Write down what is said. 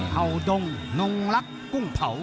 เผาดงนงรักกุ้งเผา